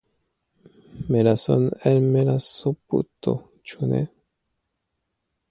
Melason el melasoputo, ĉu ne?